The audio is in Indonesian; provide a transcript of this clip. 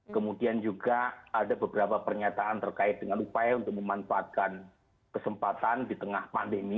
kemudian juga ada beberapa pernyataan terkait dengan upaya untuk memanfaatkan kesempatan di tengah pandemi